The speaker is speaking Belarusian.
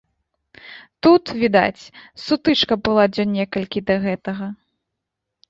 Тут, відаць, сутычка была дзён некалькі да гэтага.